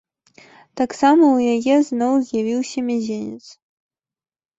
Таксама ў яе зноў з'явіўся мезенец.